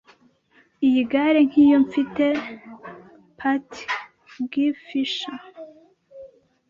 Iyi gare nkiyo mfite. patgfisher)